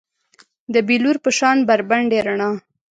د بیلور په شان بربنډې رڼا